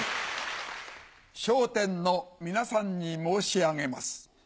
『笑点』の皆さんに申し上げます。